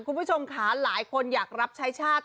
คุณผู้ชมค่ะหลายคนอยากรับใช้ชาติ